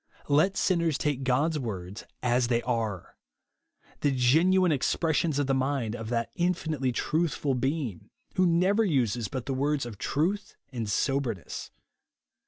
Let sinners take God's Tvords as fhey are ; the genviine expressions of the mind of that iv finitely trutJ/ful Being, ■who never uses but the words of " truth and soberness."